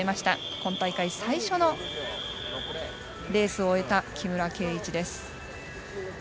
今大会最初のレースを終えた木村敬一です。